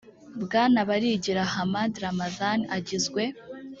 bwana barigira hamad ramadhan agizwe